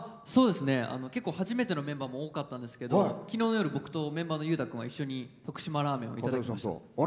結構初めてのメンバーも多かったんですけど昨日の夜僕とメンバーの裕太君は一緒に徳島ラーメンをいただきました。